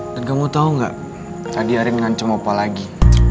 dan kamu tau gak tadi ari ngancam opa lagi